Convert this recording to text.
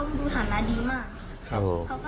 คงดูฐานาดีมาก